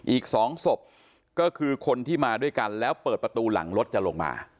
อีก๒ศพก็คือคนที่มาด้วยกันแล้วเปิดประตูหลังรถจะลงมา